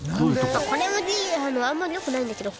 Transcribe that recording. これもあんまりよくないんだけど。